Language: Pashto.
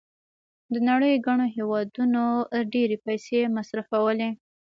د نړۍ ګڼو هېوادونو ډېرې پیسې مصرفولې.